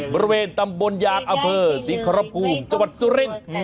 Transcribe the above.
บริเวณตำบลยาคอเผอศิษย์ขระปุ่มจวัตรสุรินทร์